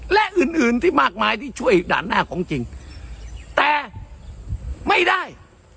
และอื่นอื่นที่มากมายที่ช่วยด่านหน้าของจริงแต่ไม่ได้